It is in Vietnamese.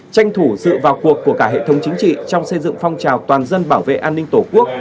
tranh thủ sự vào cuộc của cả hệ thống chính trị trong xây dựng phong trào toàn dân bảo vệ an ninh tổ quốc